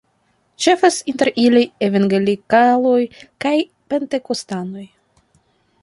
Ĉefas inter ili evangelikaloj kaj pentekostanoj.